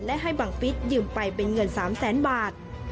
และให้บังฟิศยืมไปเป็นเงิน๓แสนบาท